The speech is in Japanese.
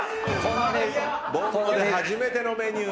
「ぼんご」で初めてのメニュー。